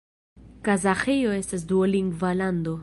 Kazaĥio estas dulingva lando.